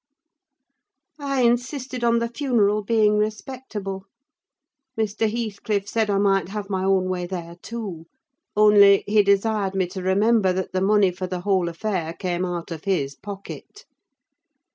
I insisted on the funeral being respectable. Mr. Heathcliff said I might have my own way there too: only, he desired me to remember that the money for the whole affair came out of his pocket.